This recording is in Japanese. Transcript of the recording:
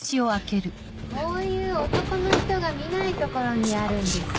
こういう男の人が見ない所にあるんですよね。